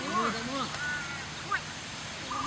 โอ้วม้าแก่ไทย